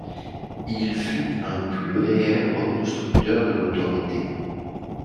Il fut un plus réel reconstructeur de l’autorité.